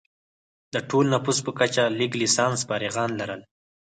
د ټول نفوس په کچه لږ لسانس فارغین لرل.